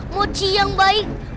mochi yang baik